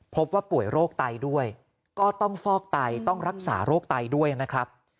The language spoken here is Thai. พบว่าป่วยโรคไตด้วยก็ต้องฟอกไตต้องรักษาโรคไตด้วยนะครับ